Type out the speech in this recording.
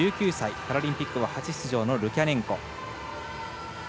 パラリンピックは初出場のルキャネンコ。